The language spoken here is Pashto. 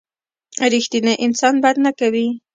رښتینی انسان بد نه کوي.